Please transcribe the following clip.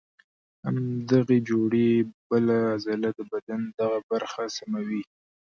د همدغې جوړې بله عضله د بدن دغه برخه سموي.